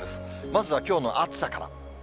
まずはきょうの暑さから。